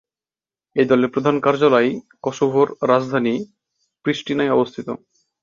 এই দলের প্রধান কার্যালয় কসোভোর রাজধানী প্রিস্টিনায় অবস্থিত।